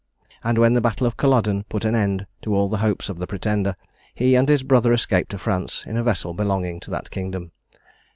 And when the battle of Culloden put an end to all the hopes of the Pretender, he and his brother escaped to France in a vessel belonging to that kingdom.